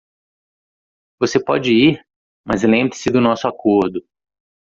Você pode ir?, mas lembre-se do nosso acordo.